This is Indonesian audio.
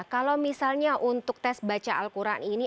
kalau misalnya untuk tes baca al quran ini